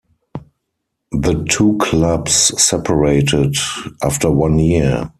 The two clubs separated after one year.